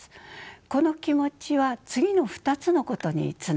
この気持ちは次の２つのことにつながります。